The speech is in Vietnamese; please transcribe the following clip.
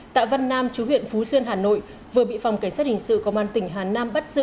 tạ văn nam chú huyện phú xuyên hà nội vừa bị phòng cảnh sát hình sự công an tỉnh hà nam bắt giữ